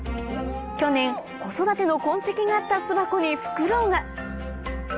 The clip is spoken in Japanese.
去年子育ての痕跡があった巣箱にフクロウが！